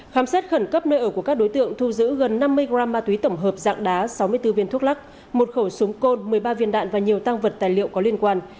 khám xét khẩn cấp nơi ở của các đối tượng thu giữ gần năm mươi g ma túy tổng hợp dạng đá sáu mươi bốn viên thuốc lắc một khẩu súng côn một mươi ba viên đạn và nhiều tăng vật tài liệu có liên quan